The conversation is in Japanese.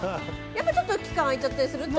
やっぱりちょっと期間があいちゃったりすると。